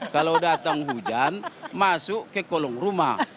kalau datang hujan masuk ke kolong rumah